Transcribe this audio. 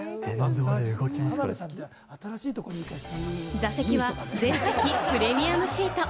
座席は全席プレミアムシート。